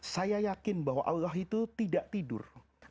saya yakin bahwa allah itu tidak tidur